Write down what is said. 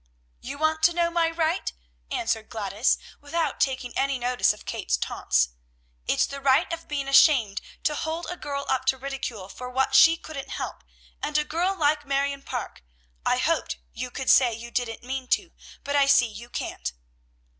"You want to know my right?" answered Gladys, without taking any notice of Kate's taunts. "It's the right of being ashamed to hold a girl up to ridicule for what she couldn't help, and a girl like Marion Parke. I hoped you could say you didn't mean to; but I see you can't."